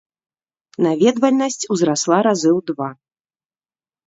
Наведвальнасць узрасла разы ў два.